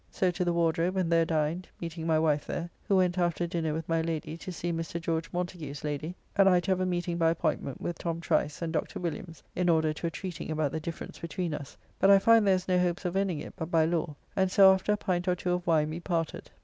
So to the Wardrobe and there dined, meeting my wife there, who went after dinner with my Lady to see Mr. George Montagu's lady, and I to have a meeting by appointment with Tho. Trice and Dr. Williams in order to a treating about the difference between us, but I find there is no hopes of ending it but by law, and so after a pint or two of wine we parted.